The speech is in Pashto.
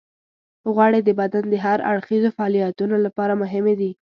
غوړې د بدن د هر اړخیزو فعالیتونو لپاره مهمې دي.